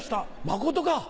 まことか？